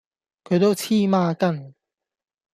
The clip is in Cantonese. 佢都黐孖根